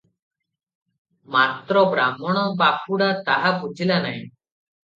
ମାତ୍ର ବ୍ରାହ୍ଣଣ ବାପୁଡା ତାହା ବୁଝିଲା ନାହିଁ ।